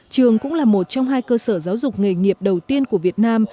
trường cũng là một trong hai cơ sở giáo dục nghề nghiệp đầu tiên của việt nam